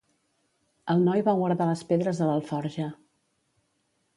El noi va guardar les pedres a l'alforja.